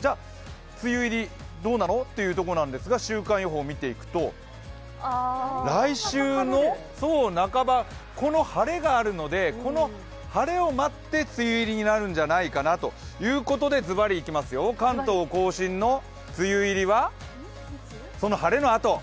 では梅雨入り、どうなの？というところなんですが、週間予報を見ていくと、来週の半ば、この晴れがあるので、この晴れを待って梅雨入りになるんじゃないかなということでずばりいきますよ、関東甲信の梅雨入りは、その晴れのあと。